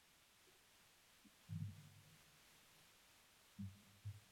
The Guildhall was intended as a social location for municipal functions.